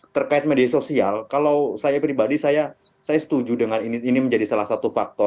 terkait media sosial kalau saya pribadi saya setuju dengan ini menjadi salah satu faktor